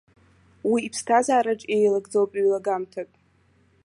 Уи иԥсҭазаараҿ еилагӡоуп ҩ-лагамҭак.